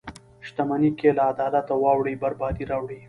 • شتمني که له عدالته واوړي، بربادي راوړي.